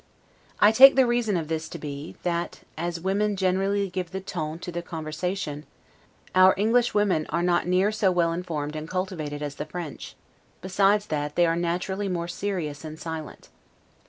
I take the reason of this to be, that (as women generally give the 'ton' to the conversation) our English women are not near so well informed and cultivated as the French; besides that they are naturally more serious and silent.